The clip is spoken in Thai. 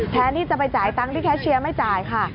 แทนที่จะไปจ่ายตังค์ที่แคชเชียร์ไม่จ่ายค่ะ